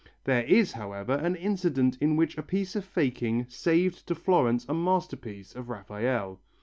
There is, however, an incident in which a piece of faking saved to Florence a masterpiece of Raphael.